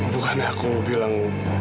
bukan aku bilang